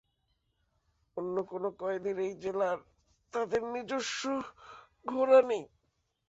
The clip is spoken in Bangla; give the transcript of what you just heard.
অন্য কোনো কয়েদীর এই জেলার তাদের নিজস্ব ঘোড়া নেই।